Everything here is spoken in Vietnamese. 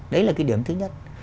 đấy là cái điểm thứ nhất